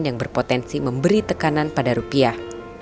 yang berpotensi memberi tekanan pada rupiah